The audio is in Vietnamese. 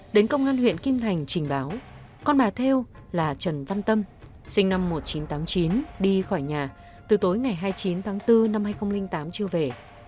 đến công an huyện kim thành trình báo con bà theo là trần văn tâm sinh năm một nghìn chín trăm tám mươi chín đi khỏi nhà từ tối ngày hai mươi chín tháng bốn năm hai nghìn tám chưa về